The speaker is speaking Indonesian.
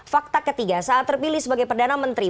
fakta ketiga saat terpilih sebagai perdana menteri